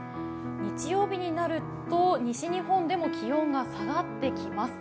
日曜日になると、西日本でも気温が下がってきます。